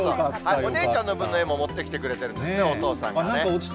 お姉ちゃんの分の絵も持ってきてくれてるんですね、お父さんがね。